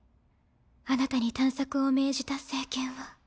あなたに探索を命じた聖剣は？